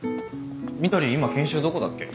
みどり今研修どこだっけ？